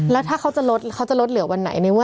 แล้วถ้าเขาจะลดเขาจะลดเหลือวันไหน